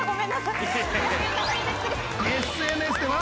ＳＮＳでは。